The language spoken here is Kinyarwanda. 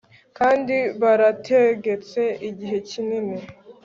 kandi barategetse igihe kinini